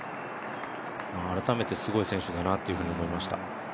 改めてすごい選手だなというふうに思いました。